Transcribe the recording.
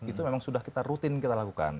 itu memang sudah kita rutin kita lakukan